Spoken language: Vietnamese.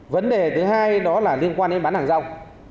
vấn đề thứ hai đó là liên quan đến bán hàng rong